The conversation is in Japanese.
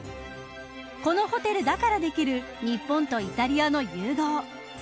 このホテルだからできる日本とイタリアの融合。